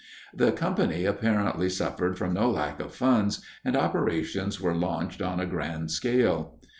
The company apparently suffered from no lack of funds, and operations were launched on a grand scale.